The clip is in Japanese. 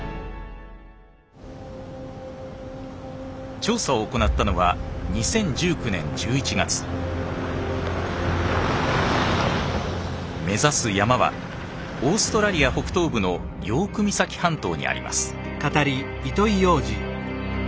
調査を行ったのは目指す山はオーストラリア北東部のヨーク岬半島にあります。